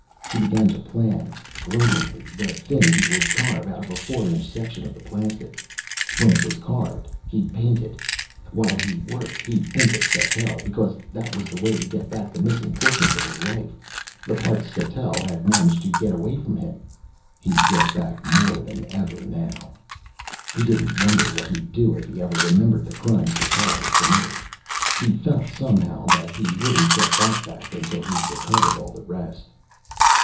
He began to plan, gloatingly, the thing he would carve out of a four inch section of the plastic. When it was carved, he'd paint it. While he worked, he'd think of Sattell, because that was the way to get back the missing portions of his life the parts Sattell had managed to get away from him. He'd get back more than ever, now! He didn't wonder what he'd do if he ever remembered the crime Sattell had committed. He felt, somehow, that he wouldn't get that back until he'd recovered all the rest.